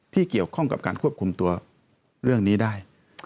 ที่เกี่ยวข้องกับการควบคุมตัวเรื่องนี้ได้